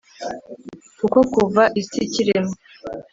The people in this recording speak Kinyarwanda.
kuko kuva isi ikiremwa